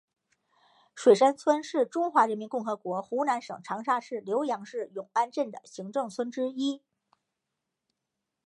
水山村是中华人民共和国湖南省长沙市浏阳市永安镇的行政村之一。